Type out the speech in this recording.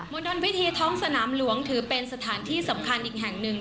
ณฑลพิธีท้องสนามหลวงถือเป็นสถานที่สำคัญอีกแห่งหนึ่ง